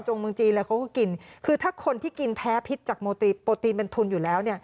เมืองจีนแล้วเขาก็กินคือถ้าคนที่กินแพ้พิษจากโปรตีนเป็นทุนอยู่แล้วเนี่ย